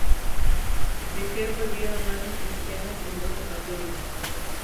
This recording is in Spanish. Vejer volvió a manos cristianas en dos ocasiones.